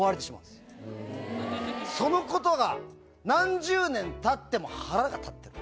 そのことが何十年たっても腹が立ってる。